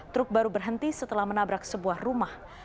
truk baru berhenti setelah menabrak sebuah rumah